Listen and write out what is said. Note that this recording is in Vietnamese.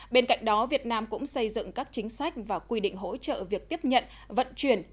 bên cạnh đó việt nam cũng xây dựng các chính sách và quy định hỗ trợ việc tiếp nhận vận chuyển